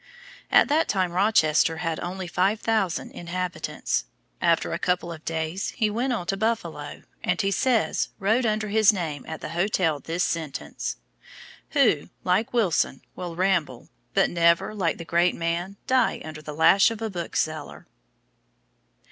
At that time Rochester had only five thousand inhabitants. After a couple of days he went on to Buffalo and, he says, wrote under his name at the hotel this sentence: "Who, like Wilson, will ramble, but never, like that great man, die under the lash of a bookseller."